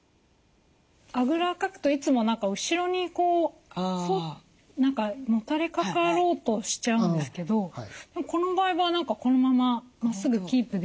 あぐらをかくといつも何か後ろにこう何かもたれかかろうとしちゃうんですけどこの場合は何かこのまままっすぐキープできてる感じがします。